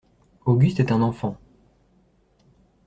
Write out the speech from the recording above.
Auguste est un enfant…